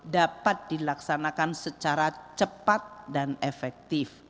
dapat dilaksanakan secara cepat dan efektif